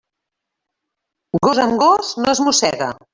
Gos amb gos, no es mossega.